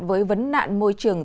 với vấn nạn môi trường